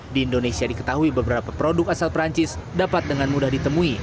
di indonesia diketahui beberapa produk asal perancis dapat dengan mudah ditemui